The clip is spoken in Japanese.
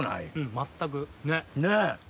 全く。ねぇ！